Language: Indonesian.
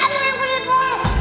kamu yang beripu